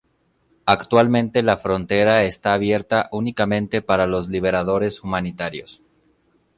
Actualmente la frontera está abierta únicamente para los liberadores humanitarios.